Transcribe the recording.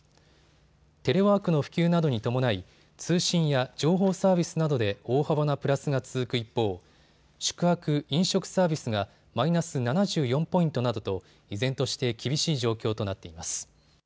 テレワークの普及などに伴い通信や情報サービスなどで大幅なプラスが続く一方、宿泊・飲食サービスがマイナス７４ポイントなどと依然として厳しい状況となっています。